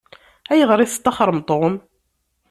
Ayɣer i testaxṛem Tom?